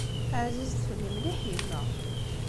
Ԑzizet fell-i mliḥ yemma.